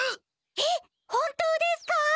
えっ本当ですか！？